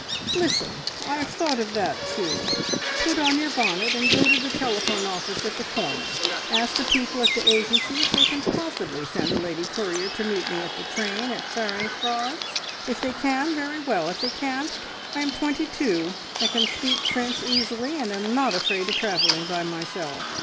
"Listen! I have thought of that too. Put on your bonnet and go to the telephone office at the corner. Ask the people at the agency if they can possibly send a lady courier to meet me at the train at Charing Cross. If they can, very well! If they can't, I am twenty two, and can speak French easily, and am not afraid of travelling by myself.